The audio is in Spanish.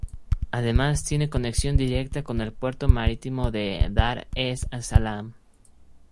Además, tiene conexión directa con el puerto marítimo de Dar-es-Salaam.